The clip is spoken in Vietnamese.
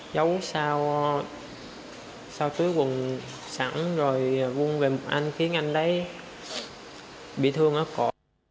dấu sau túi quần sẵn rồi vun về một anh khiến anh đấy bị thương ở cổ